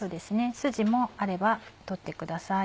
スジもあれば取ってください。